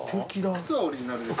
靴はオリジナルです。